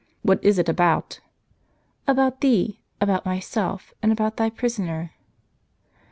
"What is it about?" "About thee, about myself, and about thy prisoner."